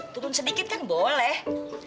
turun sedikit kan boleh